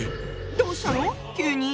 どうしたの⁉急に。